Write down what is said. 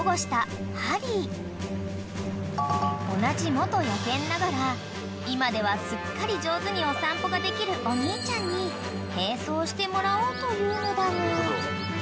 ［同じ元野犬ながら今ではすっかり上手にお散歩ができるお兄ちゃんに並走してもらおうというのだが］